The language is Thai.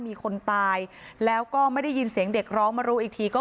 มีคนตายแล้วก็ไม่ได้ยินเสียงเด็กร้องมารู้อีกทีก็